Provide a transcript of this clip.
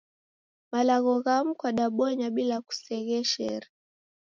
Malagho ghamu kwadabonya bila kusegheshere